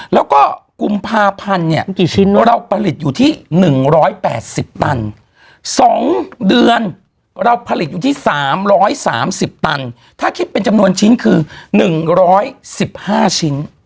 แล้วก็กุมภาพันธ์เนี่ยเราผลิตอยู่ที่๑๘๐ตัน๒เดือนเราผลิตอยู่ที่๓๓๐ตันถ้าคิดเป็นจำนวนชิ้นคือ๑๑๕ชิ้น